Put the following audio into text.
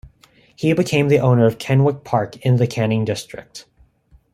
He became the owner of "Kenwick Park" in the Canning district.